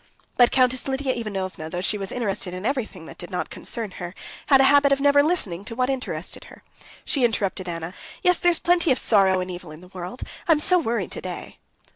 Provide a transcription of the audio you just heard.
But Countess Lidia Ivanovna, though she was interested in everything that did not concern her, had a habit of never listening to what interested her; she interrupted Anna: "Yes, there's plenty of sorrow and evil in the world. I am so worried today."